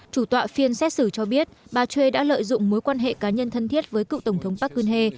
chủ tọa phiên xét xử cho biết bà choi đã lợi dụng mối quan hệ cá nhân thân thiết với cựu tổng thống park geun hye